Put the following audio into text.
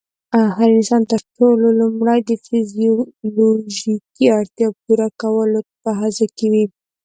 هر انسان تر ټولو لومړی د فزيولوژيکي اړتیا پوره کولو په هڅه کې وي.